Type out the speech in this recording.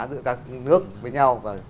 giữa các nước với nhau